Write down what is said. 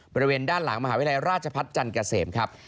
บริเวณด้านหลังมหาวิทยาลัยราชพัฒน์จันทร์เกษมครับ